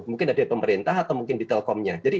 mungkin ada di pemerintah atau mungkin di telekomnya